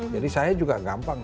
jadi saya juga gampang